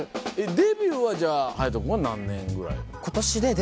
デビューは勇斗君は何年ぐらい？